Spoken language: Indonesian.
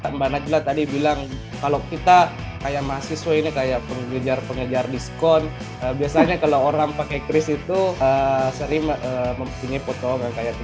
mbak najla tadi bilang kalau kita kayak mahasiswa ini kayak pengejar pengejar diskon biasanya kalau orang pakai kris itu sering mempunyai foto yang kayak